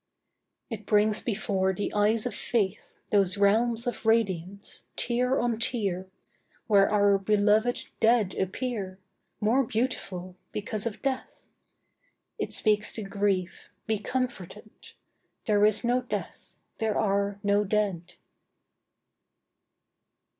It brings before the eyes of faith Those realms of radiance, tier on tier, Where our beloved 'dead' appear, More beautiful because of 'death.' It speaks to grief: 'Be comforted; There is no death, there are no dead.